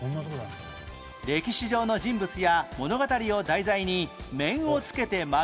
歴史上の人物や物語を題材に面をつけて舞う